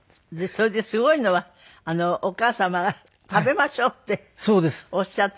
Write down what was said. それですごいのはお母様は「食べましょう」っておっしゃって。